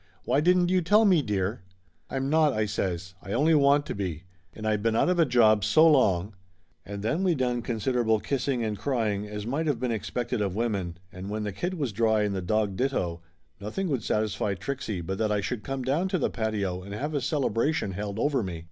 Why didn't you tell me, dear?" "I'm not !" I says. "I only want to be ! And I'd been out of a job so long " And then we done considerable kissing and crying, as might of been expected of women, and when the kid was dry and the dog ditto, nothing would satisfy Trixie but that I should come down to the patio and have a celebration held over me.